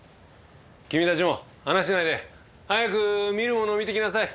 君たちも話してないで早く見るものを見てきなさい。